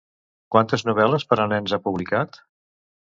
Quantes novel·les per a nens ha publicat?